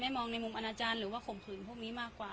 มองในมุมอนาจารย์หรือว่าข่มขืนพวกนี้มากกว่า